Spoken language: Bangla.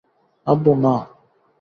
আব্বু, না।